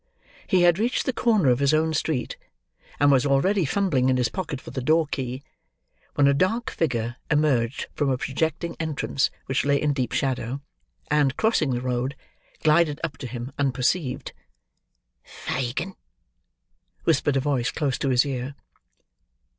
He had reached the corner of his own street, and was already fumbling in his pocket for the door key, when a dark figure emerged from a projecting entrance which lay in deep shadow, and, crossing the road, glided up to him unperceived. "Fagin!" whispered a voice close to his ear.